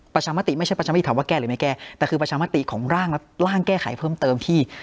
ประชามติไม่ใช่ประชามติถามว่าแก้หรือไม่แก้แต่คือประชามติของร่างและร่างแก้ไขเพิ่มเติมที่